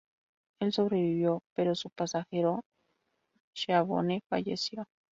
Él sobrevivió, pero su pasajero, Dorothea Schiavone, falleció.